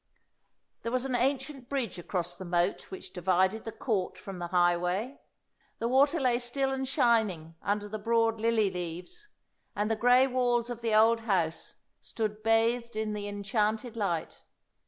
There was an ancient bridge across the moat which divided the Court from the highway. The water lay still and shining under the broad lily leaves, and the grey walls of the old house stood bathed in the enchanted light.